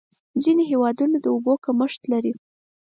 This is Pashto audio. ځینې هېوادونه د اوبو کمښت لري.